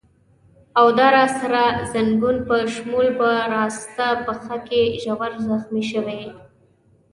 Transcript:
او د راسته ځنګون په شمول په راسته پښه کې ژور زخمي شوی.